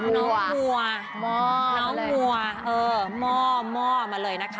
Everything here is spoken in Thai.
น้องหัวก